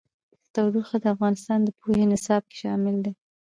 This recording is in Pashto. تودوخه د افغانستان د پوهنې نصاب کې شامل دي.